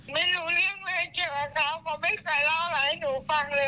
ไม่รู้เรื่องอะไรเกี่ยวกับเขาเขาไม่เคยเล่าอะไรให้หนูฟังเลย